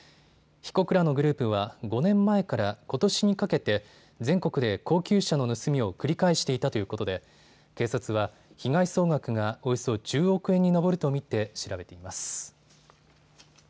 被告らのグループは５年前からことしにかけて全国で高級車の盗みを繰り返していたということで警察は被害総額がおよそ１０億円に上ると見て調べています。